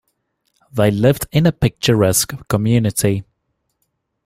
They lived in a picturesque community.